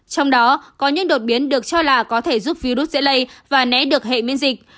trong đó có những đột biến được cho là có thể giúp virus dễ lây và né được hệ miễn dịch